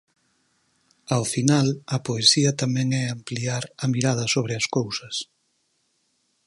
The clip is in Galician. Ao final a poesía tamén é ampliar a mirada sobre as cousas.